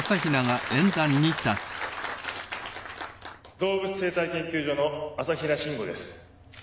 動物生態研究所の朝比奈信吾です。